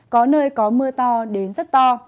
có nơi có mưa to đến rất to